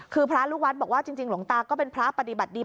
คือพระลูกวัดบอกว่าจริงหลวงตาก็เป็นพระปฏิบัติดี